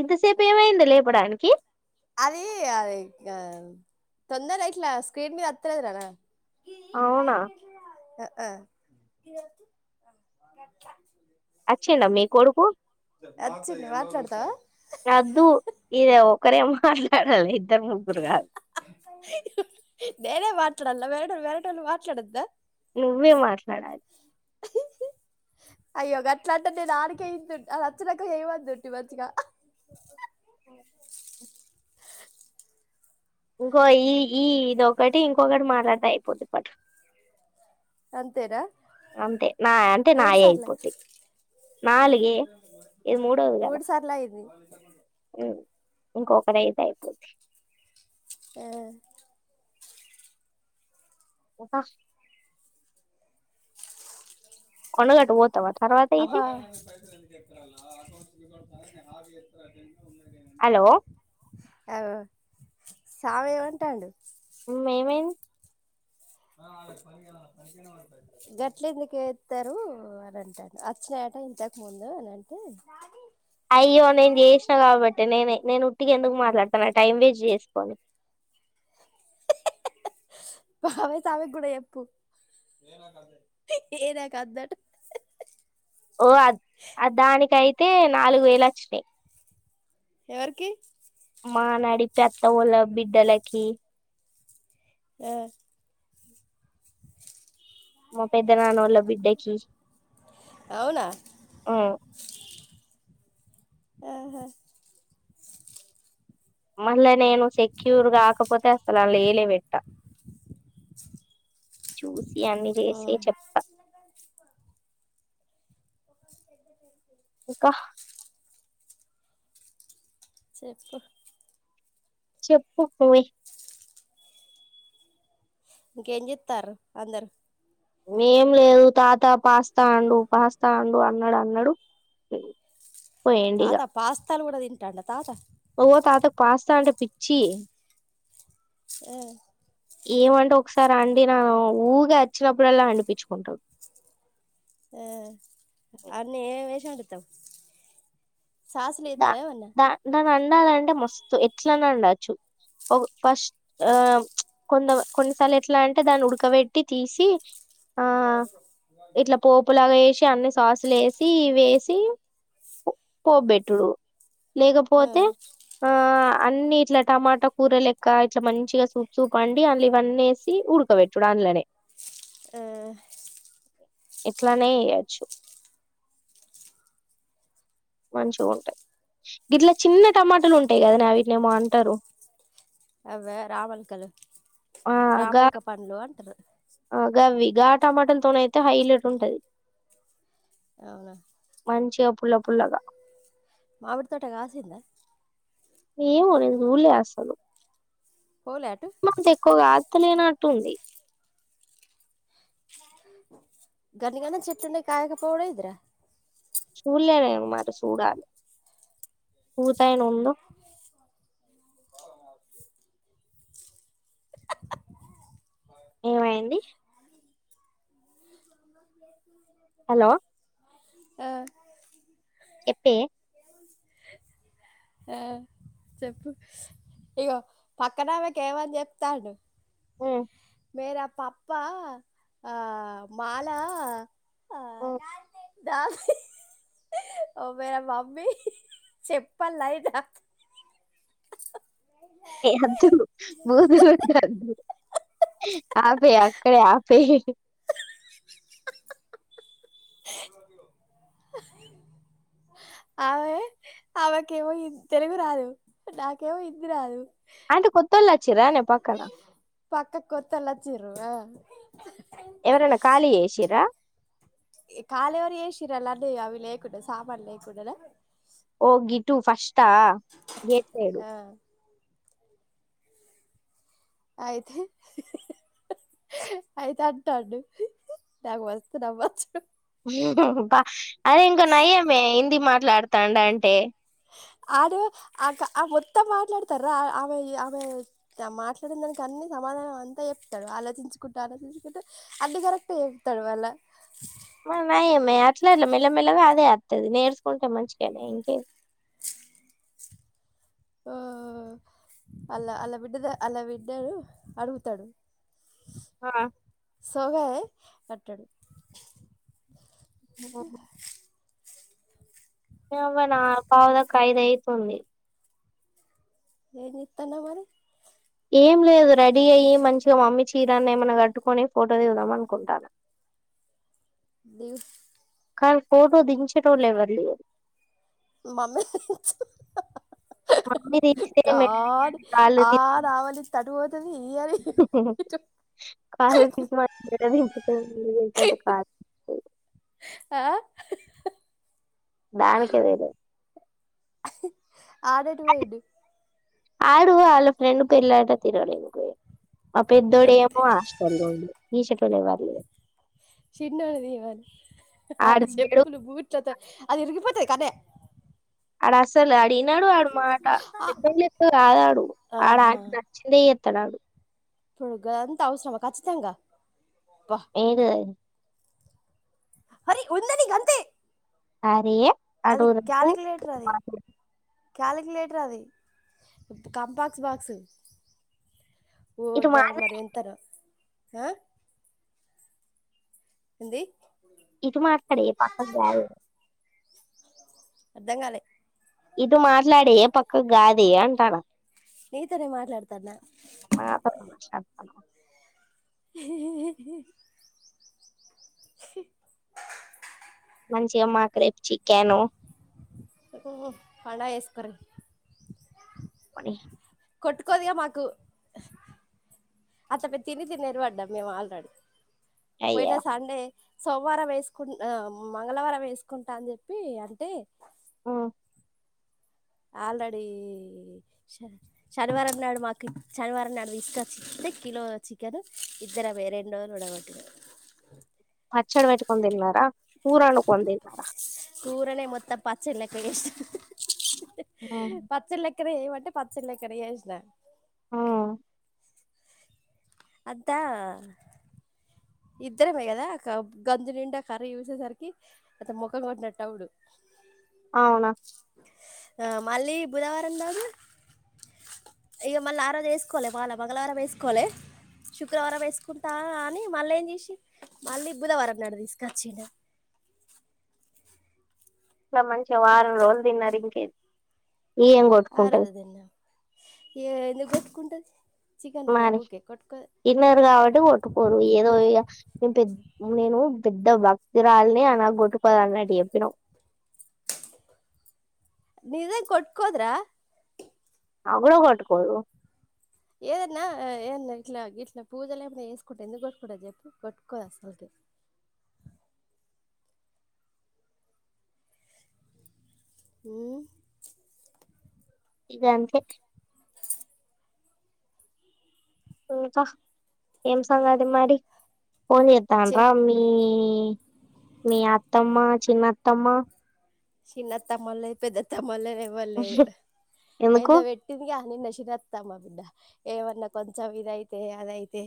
ఇంతసేపు ఏమైంది లేపడానికి అది అది ఆ తొందర ఇట్లా స్క్రీన్ మీద ఎత్తలేదుర నాకు అవునా ఆ అచ్చిండ మీ కోడుకు ఆ వచ్చింది మాట్లాడతావా అద్దు ఇదేవో ఒకరే మాట్లాడాలి ఇద్దరు ముగ్గురు కాదు నేనేే మాట్లాడాల మేడం వేరేటోళ్లు మాట్లాడొద్దా నువ్వే మాట్లాడాలి అయ్యో గట్లా అంటే నేను ఆనికే ఇద్దును అ వచ్చినక చేయమంటుంటి మంచిగా ఓ ఇంకో ఈ ఈ ఇదొకటి ఇంకొకటి మాట్లాడితే అయిపోద్ది పటు అంతేనా అంటే మూడు నాయే సార్ల అయిపోద్ది నాలుగే ఇది మూడోది కదా మూడు సార్లు అయింది ఉమ్, ఇంకొకటి అయితే అయిపోది ఆ ఇంకా కొండగట్టు పోతావ అబా హ ఎస్త హలో అవ్ సామి ఏమంటాండు ఉమ్ ఏమైంది గట్ల ఎందుకెత్తారు అని అంటాను వచ్చిన ఆట ఇంతకు ముందు అని అంటే అయ్యో నేను చేసిన కాబట్టి నేనే నేను ఉట్టికి ఎందుకు మాట్లాడత తన టైం వేస్ట్ చేసుకోని బవే [unintelligible] ఆమె కూడా చెప్పు ఏదా కాద్దట్ ఓ అద్ దానికయితే నాలుగు వేలు వచ్చినాయి ఎవరికి మా వోళ్ల నడిపెత్త వాళ బిడ్డలకి ఆ మా పెద్ద నాన్న వాళ్ళ బిడ్డకి అవునా ఆ ఆహా మళ్ళ నేను సెక్యూర్ గాకపోతే అసలు ఆళ్ల ఎలే పెట్ట చూసి అన్ని చేసి ఉమ్ చెప్ప ఎ ఇంకా చెప్పు చెప్పు పోయి ఇంకేం చేత్తారు అందరు ఏం లేదు తాత పాస్తా వండు పాస్తా వండు అన్నాడు అన్నాడు పోయిండు తాత పాస్ తల్లు గూడా తింటడ్లే తాత. ఓతాతకు పాస్తా అంటే పిచ్చి. ఎ. ఏమంటే ఒకసారి అండి నను ఊగా వచ్చినప్పుడల్లా అడిపించుకుంటాడు. ఆ అన్న ఏ విేషంట త్తం. సాస్లిత్తేవన్న. ఉండాలంటే మస్తు ఎట్లనొండొచ్చు ఫస్ట్ ఆ కొంత కొన్నిసార్లు ఎట్లా అంటే దాన్ని ఉడకబెట్టి తీసి ఆ. ఇట్లా పోపు లవేషి అన్ని సాసులు వేసి ఇవేసి. డు ఆ లేకపోతే ఆ. అన్ని ఇట్లా టమాటా కూర లెక్క ఇట్లా మంచిగా సూప్ సూప్ అండి అండ్లో ఇవ్వన్నీసి ఉడకబెట్టుడు అండ్లానే. ఆ. యెట్లనేయొచ్చు. మంచిగా ఉంటై ఇట్లా చిన్న టమాటాలు ఉంటాయికదనే అవిట్లేమో అంటారు. అవే రావల్ కదా. ఆ గా రామల్కా పండ్లు అంటన్న. ఆ గవి గా టమాటల తన అయితే హై ఇలర్ట్ ఉంటది అవునా. మంచిగా పుల్ల పుల్లగా. మావిటి తోట గాసిందా. ఏమో నేన్ జూల్లే అస్సలు. పోలే అటు అమౌంట్ ఎక్కుగాదు. లేనట్టుంది. గనిగన చెత్తుండే కాయగా పౌడ ఇద్రా. చూళ్ళేదేమో మరి చూడాలి పూతైనుండి. ఏమైంది. హలో ఆ. చెప్పే. ఆ చెప్పు ఇగో పక్కనమాక్ ఏమని చెప్తాడు. ఉమ్ మేరా పప్ప ఆ. మాలా. ఉమ్. దా ఓబేయమమ్మి చెప్పలైదా. ఏ హద్దుడు బోరుకొడతాంది. ఆపేయ్ అక్కై ఆపేయ్. ఆమె ఆమెకేమో తెలుగు రాదు నాకేమో ఇంది రాదు. అంటే కొత్తళ్చ్చ. పక్కక్ కొత్తోలొచిర్రు ఆ. [unintelligible] ఎవరన్న ఖాాలియేషిరా ఏ కాలెవరెశిరు ఏరలాంటి అవి లేకుండె సామాన్ లేకుండె న ఒ గిటు ఫస్ట్ టా గెట్లేడు ఆ అయితే అయితే అంటాండు నాకు వస్తే నవ్వచ్చు బ అదే ఇంక నయమే హిందీ మాట మాట్లాడ్తాండ్ అంటె ఆడ ఆ ఆ మొత్తం మాట్లాడతార ఆమె ఆమె మాట్లాడిన దానికి అన్నీ సమాధానం అంతా చెప్తాడు ఆలోచించుకుంటూ ఆలోచించుకుంటే అన్ని కరెక్టే చెప్తడు మళ్ళ మ్ నయమె అట్లా ఇట్లా మెల్లమెల్లగా అదే అత్తది నేర్చుకుంటే మంచిగానే ఇంకే ఆ అల ఆల బిడ్డ అలా బిడ్డడు అడుగుతాడు ఆ సగ కట్టాడు ఆ వ న పావ్ ద ఖైదైతుంది ఏ నిత్తనా మరి ఏం లేదు రెడీ అయ్యి మంచిగా మమ్మీ చీరాన్ని ఏమనా కట్టుకొని ఫోటో దిగుదాం అనుకుంటాన ద కానీ ఫోటో దించెటోళ్ళ్ లెఎవలే మమ్మీ మామ్మి దంచితే మె గాడ్ అది కాలు ఆ ది రావాలి తటు పోతది ఈ అని ఇటు కాల తీ ధ కా ఆ దానికిదరు ఆడటు పోయిడి ఆడు వాళ్ళ ఫ్రెండ్ పేర్లాట తరుాలికు వొయిండు ఆ పెద్దోడు అంతే ఏమో ఆష్టల్లుండు ఈ చెట్లే ఎవ్వల్లేరు చిన్నోని తీయమని ఆడ ఆడడు చెప్పులు బూట్లతో అది ఇరిగిపోతది కదే అడ అసలు అడిగినడు ఆడ మాట ఆ పెద్దోన్ లెక్క కాదాడు ఆడ ఆహా ఆంట నచ్చింద త్తడాడు ఇప్పుడు అంత అవసరమా ఖచ్చితంగా అబ్బా ఏద మరి ఉందని గంతే అరేే అది అటు రపు క్యాలిక్యులేటర్ అది క్యాలిక్యులేటర్ అది కంపాక్స్ బాక్సు ఓ ఇటు మా దాని మరి ఎంతారు ఆ ఎంది ఇటు మా అగా రే పక్క గ అర్థం కాలే ఇటు మాట్లాడేయ పక్కకు కాదే అంటాను నతనే మాట్లాడతానా [inaudible] మాతో మాట్లాడతాను మంచి అ మాక రేపు చికను ఓ అడా ఎసుకోర అని కోదిగా మాకు అత పె తిని తినిర పడ్డాం మేము ఆల్రెడీ పోయినా అయ్యా సండే సోమవారం వేసుకు మంగళవారం వేసుకుంటా అని చెప్పి అంటే ఓ ఆల్రెడీ శనివారం నాడు మాకు శనివారం నాడు ఇసుకే కిలో చికెన్ ఇద్దర రెండుోజులుబట్ పచ్చడి పెట్టుకొని తిన్నారా కూర వండుకొని తిన్నారా కూూరనే మొత్తప్పచ్చల కష్ ఆ క్కడయి మటే పచ్చలే కడే చేసినా ఆ అద్ద ఇద్దరమే కదా గంజు నిండా కర్రీ చూసేసరికి అత ముఖం కొట్టినట్టటువుడు అవునా ఆ మళ్ళీ బుధవారం దాకా ఇక మళ్ళీ ఆ రోజు వేసుకోవాలి వాళ్ళ మంగళవారం వేసుకోవాలి శుక్రవారం వేసుకుంటా అని మళ్ళీ మళ్ళీ బుధవారం నాడు తీసుకొచ్చిండు ఇంకా మంచిగా వారం రోజులు తిన్నారు ఇంక ఆరదన్నా ఏ ఎందుకు గుతుకుంటది మరి ఇన్నారు కాబట్టి కొట్టుకోరు ఏదో ఇ నేను పె నేను పెద్ద భక్తురాలని అలా కొొట్టుకోద అన్నట్టు చెప్పినావ్ నిజే కొట్కోద్ర అగ కూడా కట్ కోదు ఏదన్నా ఏదన్నా ఇట్లా ఇట్లా పూజలు ఏమన్నా చేేసుకుంటే ఎందుకు కొట్టుకుంటది చెప్పు కొట్టుకోదు అసలకి మ్మ్ ఇగ అంతే ఇంకా ఏం సంగది మరి ఫోన్ ఎతా అండ రా చెప్ మీ మీ అత్తమ్మ చిన్నత్తమ్మ చిన్న తమ్మల్ పెద్ద తమ్మల్ ఎవ్వరు లేదు ఎందుకు ఎందో పెట్టిందిగా నినా చిరతమా బిడ్డ ఏమన్నా కొంచెం ఇదయితే, అదైతే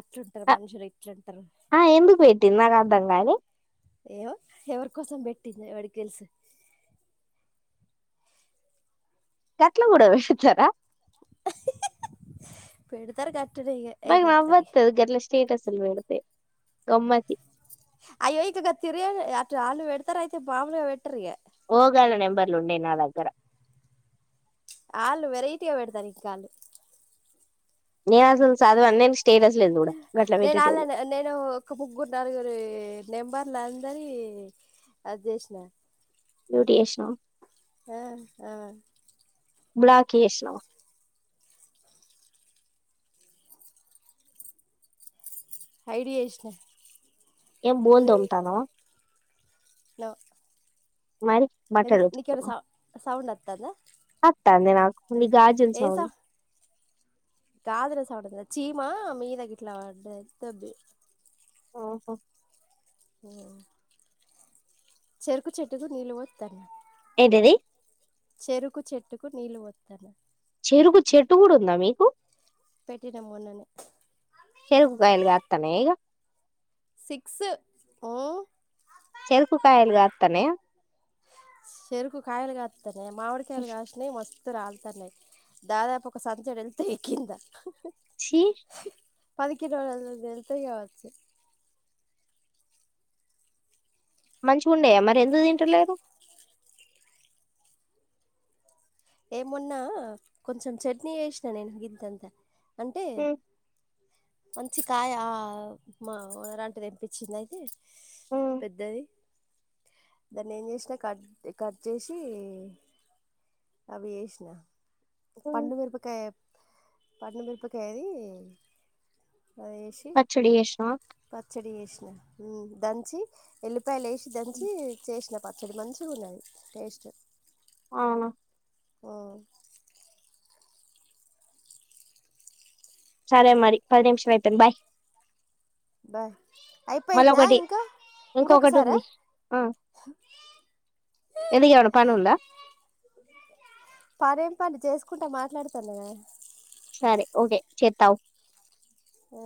అట్లుంటారు మనుషులు ఇట్లుంటారు. ఆ ఎందుకు పెట్టింది నాకు అర్థం కాలే. ఏమో ఎవరికోసం పెట్టింది ఎవడికి తెలుసు. గట్లా కూడా పెడతారా పెడుతారు గా బా నవ్వత్ గట్లా స్టేటస్ సాలు లోడుతే కమ్మాకి అయ్యో ఇకగ తిరియ అట్ ఆలు వెడతార అయితే మామములుగా వెట్టరిగ. ఓ గల నెంబర్లు ఉండే నా దగ్గర ఆళ్ళు వెరైటీగా పెడతారు ఇంకాళ్ళు నేను అసలు చదవన్ నెన్ నేను ఆర్లేదు నేను ఒక ముగ్గురు నలుగురు నెంబర్ల అందరి అది చేసిన మ్యూట్ చేసినవా ఆ ఆ బ్లాక్ ఎష్నావ ఐడియా ఎష్న ఏం బోల్ తోముతన్నావా. బట్టలు నీకె ఏమన ఉతుకుతున్నవా సౌ సౌండ్ వతందా తందినకు ని గార్జస్వ గాజుల సౌండ్ కాదు చీమా మీద గిట్లా పడ్డది తబి. ఓహో ఆ చెరుకు చెట్గు నిళ్లు పోద్తన్నా ఏంటది చెరుకు చెట్టుకు నీళ్ళు పోతన చెరుకు చెట్టు కూడా ఉందా మీకు పెట్టిన మొన్ననే చేరుకుగాయలుగాతనేగా సిక్స్ ఉ చెరుకుకాయలుగతనయ చెరుకు కాయలు కత్ తనె మామిడికాయలు కాషినయి మోస్త త్ రాల్తానాయ్ దాదాపు ఒక సంచడు ఎళ్తయ్ కింద. ఛీ పది కిలోలు వెళ్తాయి కవచ్చు. మంచిగా ఉంనయా మరి ఎందుకు తింటలేరు. ఏ మొన్న కొంచం చట్నీ ఎషినా నేను గింతంతా. అంటే ఉమ్, మంచి కాయా మ ఓనర్ ఆంటీ తెపించింది అయితే ఉమ్, పెద్దది దాన్ని ఏం జెసినా కట్ కట్ జెసి అవి ఏసినా ఉమ్. పండుమేరపకాయ పండుమేరపకాయ్ ది పచ్చడి జెష్ణవ చ్చడి చేసిన హ్మ్ దంచి ఏలిప్ ఏలిపాయలు ఎసి దంచి చేసిన పచ్చడి మంచిగా ఉన్నది టేస్ట్ అవును హ్మ్ సరే మరి పది నిమిషం అయితంది బాయ్ బాయ్ మళ్ళ అయిపోయిందా ఒకటి ఇంకా ఇంకొకటి ఇంకొకసార ఉంది ఆ ఎందుకేమన్నా పని ఉందా పరెమ్ పని చేసుకుంటా మాట్లాడుతనగా సరే ఓకే చేతావ్ ఆ